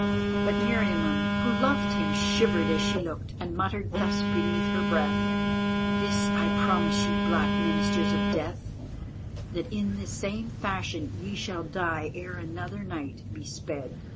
But Meriamun, who loved him, shivered as she looked, and muttered thus beneath her breath: "This I promise you, black ministers of death, that in the same fashion ye shall die ere another night be sped."